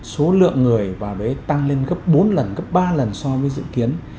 số lượng người vào đấy tăng lên gấp bốn lần gấp ba lần so với dự kiến